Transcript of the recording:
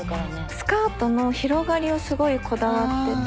スカートの広がりをすごいこだわってて。